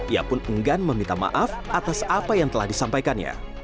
ia pun enggan meminta maaf atas apa yang telah disampaikannya